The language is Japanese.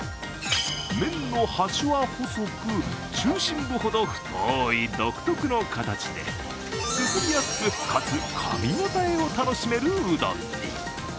麺の端は細く、中心部ほど太い独特の形ですすりやすく、かつかみ応えを楽しめるうどんに。